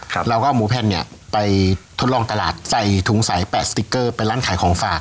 ครับเราก็เนี้ยไปทดลองตลาดใส่ถุงใสแปะติกเกอร์ไปร่านขายของฝาก